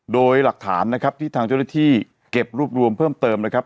โดยหลักฐานนะครับที่ทางเจ้าหน้าที่เก็บรวบรวมเพิ่มเติมนะครับ